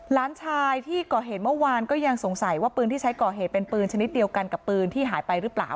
หลานชายที่ก่อเหตุเมื่อวานก็ยังสงสัยว่าปืนที่ใช้ก่อเหตุเป็นปืนชนิดเดียวกันกับปืนที่หายไปหรือเปล่า